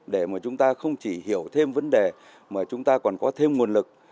để mà chúng ta không chỉ hiểu thêm vấn đề mà chúng ta còn có thêm nguồn lực